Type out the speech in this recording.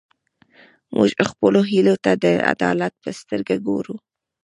موږ خپلو هیلو ته د عدالت په سترګه ګورو.